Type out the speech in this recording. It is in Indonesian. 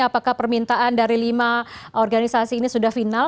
apakah permintaan dari lima organisasi ini sudah final